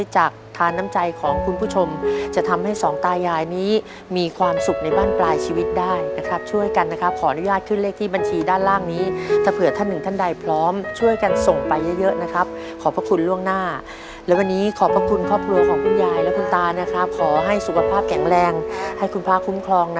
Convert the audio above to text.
จากทานน้ำใจของคุณผู้ชมจะทำให้สองตายายนี้มีความสุขในบ้านปลายชีวิตได้นะครับช่วยกันนะครับขออนุญาตขึ้นเลขที่บัญชีด้านล่างนี้ถ้าเผื่อท่านหนึ่งท่านใดพร้อมช่วยกันส่งไปเยอะเยอะนะครับขอบพระคุณล่วงหน้าและวันนี้ขอบพระคุณครอบครัวของคุณยายและคุณตานะครับขอให้สุขภาพแข็งแรงให้คุณพระคุ้มครองนะ